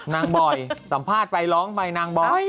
บ่อยสัมภาษณ์ไปร้องไปนางบ่อย